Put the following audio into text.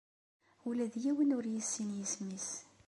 Ula d yiwen ur yessin isem-nnes.